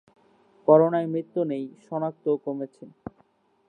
করোনায় মৃত্যু নেই, শনাক্তও কমেছে